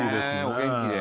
お元気で。